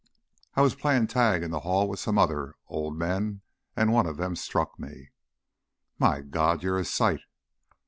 _" "I was playing tag in the hall with some other old men, and one of them struck me." "My God, you're a sight!"